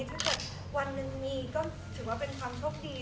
ถ้าเกิดวันหนึ่งมีก็ถือว่าเป็นความโชคดี